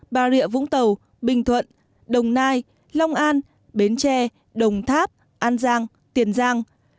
bà rịa vũng tàu bình thuận đồng nai long an bến tre đồng tháp an giang tiền giang